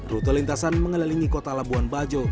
rute lintasan mengelilingi kota labuan bajo